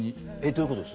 どういうことです？